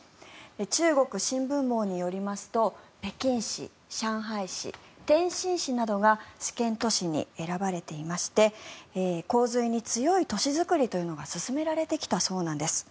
中国新聞網によりますと北京市、上海市、天津市などが試験都市に選ばれていまして洪水に強い都市づくりというのが進められてきたそうなんです。